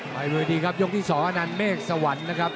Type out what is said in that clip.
ไปเวทีครับยกที่๒อนันเมฆสวรรค์นะครับ